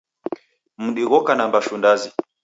Mdi ghoko na mbashu ndazi.